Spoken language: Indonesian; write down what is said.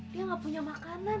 dia gak punya makanan